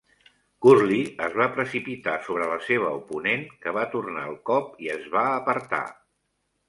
Curly es va precipitar sobre la seva oponent, que va tornar el cop i es va apartar.